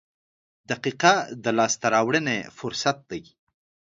• دقیقه د لاسته راوړنې فرصت دی.